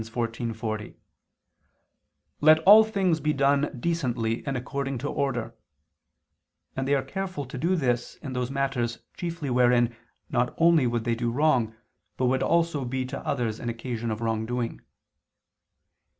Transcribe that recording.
14:40: "Let all things be done decently and according to order"; and they are careful to do this in those matters chiefly wherein not only would they do wrong, but would also be to others an occasion of wrongdoing.